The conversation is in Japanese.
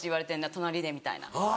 隣でみたいな。